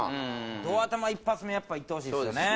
ど頭一発目やっぱいってほしいですよね。